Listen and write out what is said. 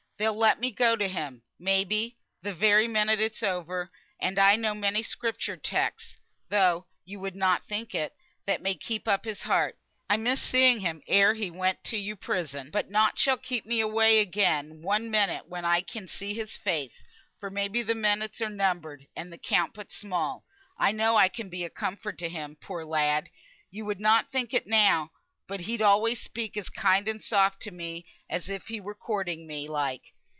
They'll let me go to him, maybe, the very minute it's over; and I know many Scripture texts (though you would not think it), that may keep up his heart. I missed seeing him ere he went to yon prison, but nought shall keep me away again one minute when I can see his face; for maybe the minutes are numbered, and the count but small. I know I can be a comfort to him, poor lad. You would not think it, now, but he'd alway speak as kind and soft to me as if he were courting me, like.